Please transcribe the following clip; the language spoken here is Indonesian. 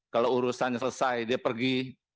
kalau urusannya selesai dia pergi